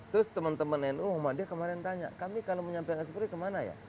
terus teman teman nu muhammadiyah kemarin tanya kami kalau menyampaikan seperti kemana ya